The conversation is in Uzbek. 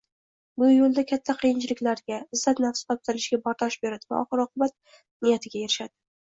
Bu yoʻlda katta qiyinchiliklarga, izzat-nafsi toptalishiga bardosh beradi va oxir-oqibat niyatiga erishadi